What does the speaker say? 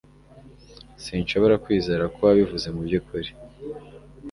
Sinshobora kwizera ko wabivuze mubyukuri